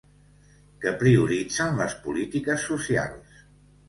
Que prioritzen les polítiques socials.